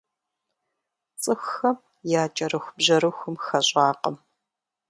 ЦӀыхухэм я кӀэрыхубжьэрыхум хэщӀакъым.